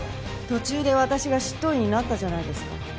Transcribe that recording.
途中で私が執刀医になったじゃないですか。